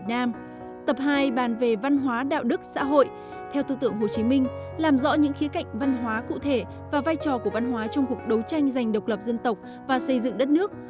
theo tư tưởng hồ chí minh làm rõ những khía cạnh văn hóa cụ thể và vai trò của văn hóa trong cuộc đấu tranh dành độc lập dân tộc và xây dựng đất nước